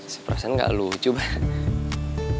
se perasaan gak lucu bang